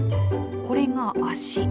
これが足。